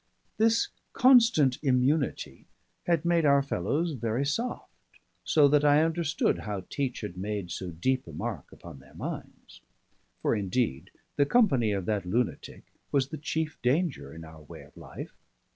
This constant immunity had made our fellows very soft, so that I understood how Teach had made so deep a mark upon their minds; for indeed the company of that lunatic was the chief danger in our way of life.